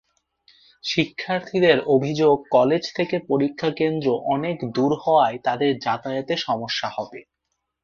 শিক্ষার্থীদের অভিযোগ, কলেজ থেকে পরীক্ষাকেন্দ্র অনেক দূর হওয়ায় তাদের যাতায়াতে সমস্যা হবে।